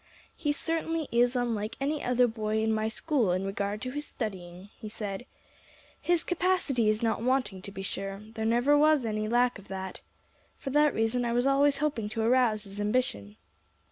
"He certainly is unlike any other boy in my school in regard to his studying," he said. "His capacity is not wanting, to be sure; there was never any lack of that. For that reason I was always hoping to arouse his ambition."